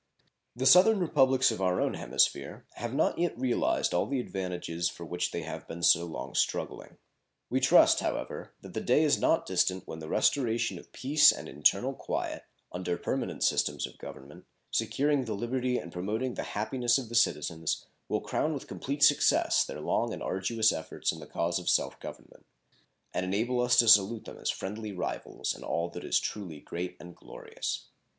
The southern Republics of our own hemisphere have not yet realized all the advantages for which they have been so long struggling. We trust, however, that the day is not distant when the restoration of peace and internal quiet, under permanent systems of government, securing the liberty and promoting the happiness of the citizens, will crown with complete success their long and arduous efforts in the cause of self government, and enable us to salute them as friendly rivals in all that is truly great and glorious.